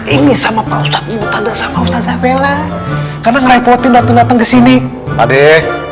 disini sama pak ustadz mutanda sama ustadz abela karena ngerepotin datang datang ke sini adek